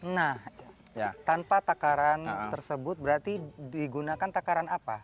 nah tanpa takaran tersebut berarti digunakan takaran apa